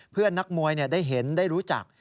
นักมวยได้เห็นได้รู้จัก